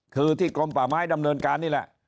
คือที่กรมป่าไม้ดำเนินการนี่แหละ